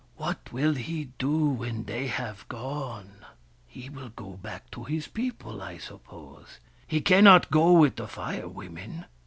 What will he do when they have gone ?"" He will go back to his people, I suppose. He cannot go with the Fire Women.